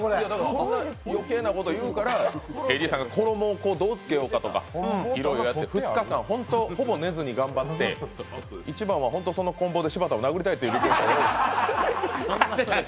そんな余計なこと言うからＡＤさんが衣をどうつけようかとかいろいろやって２日間、ほぼ寝ずに頑張って一番は本当、そのこん棒で柴田さんを殴りたいって。